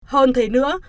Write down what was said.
hơn thế nữa